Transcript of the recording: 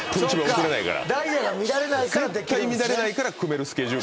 絶対乱れないから組めるスケジュール。